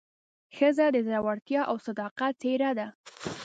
ښځه د زړورتیا او صداقت څېره ده.